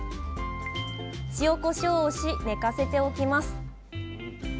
塩こしょうをし寝かせておきます。